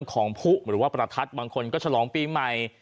คนของผู้ประทัดบางคนเข้าหลองปีใหม่